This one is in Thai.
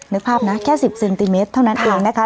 นึกภาพนะแค่๑๐เซนติเมตรเท่านั้นเองนะคะ